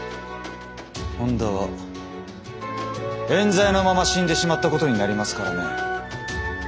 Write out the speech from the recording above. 本田はえん罪のまま死んでしまったことになりますからね。